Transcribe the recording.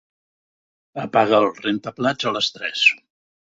Apaga el rentaplats a les tres.